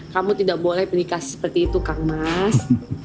kamu tidak boleh menikah seperti itu kang mas